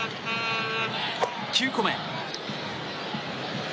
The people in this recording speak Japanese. ９個目。